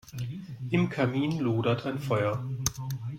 Im Kamin lodert ein Feuer.